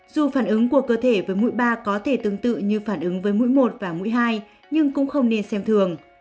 dù phản ứng của cơ thể với mũi ba có thể tương tự như phản ứng với mũi một và mũi hai nhưng cũng không nên xem thường